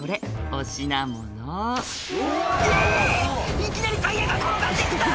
いきなりタイヤが転がって来た！